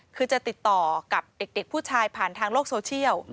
คือจะติดต่อกับเด็กผู้ชายผ่านทางโลกโซเชียล